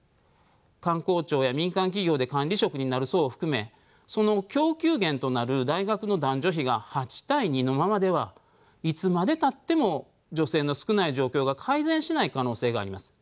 官公庁や民間企業で管理職になる層を含めその供給源となる大学の男女比が８対２のままではいつまでたっても女性の少ない状況が改善しない可能性があります。